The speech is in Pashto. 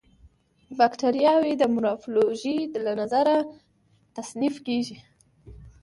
باکټریاوې د مورفولوژي له نظره تصنیف کیږي.